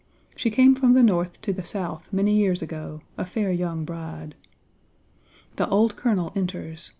She came from the North to the South many years ago, a fair young bride. "The Old Colonel enters.